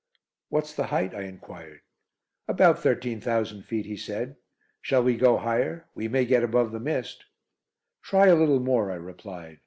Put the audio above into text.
"What's the height?" I enquired. "About thirteen thousand feet," he said. "Shall we go higher? We may get above the mist." "Try a little more," I replied.